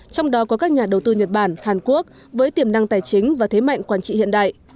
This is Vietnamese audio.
trong đó có các nhà đầu tư nhật bản hàn quốc với tiềm năng tài chính và thế mạnh quản trị hiện đại